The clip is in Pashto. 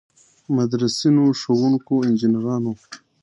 مدرسینو، ښوونکو، انجنیرانو.